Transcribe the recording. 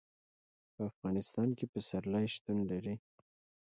په افغانستان کې پسرلی شتون لري.